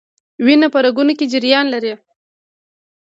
وینه په رګونو کې جریان لري